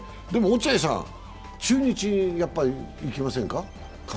でも落合さん、中日にやっぱり関心はいきませんか？